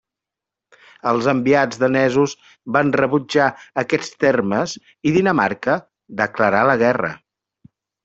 Els enviats danesos van rebutjar aquests termes i Dinamarca declarà la guerra.